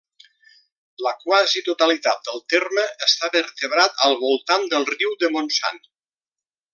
La quasi totalitat del terme està vertebrat al voltant del riu de Montsant.